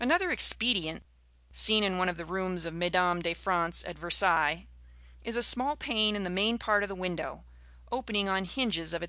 Another expedient, seen in one of the rooms of Mesdames de France at Versailles, is a small pane in the main part of the window, opening on hinges of its own.